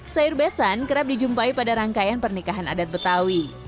sayur besan kerap dijumpai pada rangkaian pernikahan adat betawi